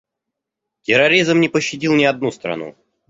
Терроризм не пощадил ни одну страну.